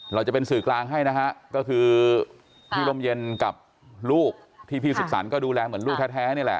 เราจะเป็นสื่อกลางให้นะฮะก็คือพี่รมเย็นกับลูกที่พี่สุขสรรค์ก็ดูแลเหมือนลูกแท้นี่แหละ